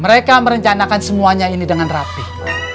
mereka merencanakan semuanya ini dengan rapih